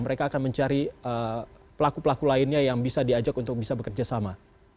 mereka akan mencari pelaku pelaku lainnya yang bisa diajak untuk bisa bekerja sama